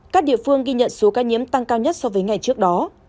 các địa phương ghi nhận số ca nhiễm tăng cao nhất so với ngày trước đó